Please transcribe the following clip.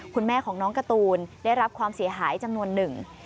คุณแม่ของน้องการ์ตูนได้รับความเสียหายจำนวนหนึ่ง